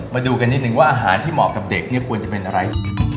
มาดูกันนิดนึงว่าอาหารที่เหมาะกับเด็กเนี่ยควรจะเป็นอะไร